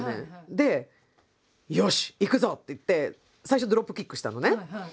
でよしいくぞ！っていって最初ドロップキックしたのね。